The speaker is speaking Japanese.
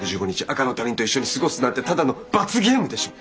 赤の他人と一緒に過ごすなんてただの罰ゲームでしょ。